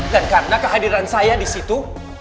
dan karena kehadiran saya disitu